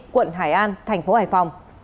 quận hải an thành phố hải phòng